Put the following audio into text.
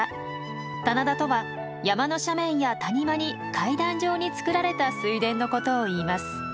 棚田とは山の斜面や谷間に階段状に作られた水田のことをいいます。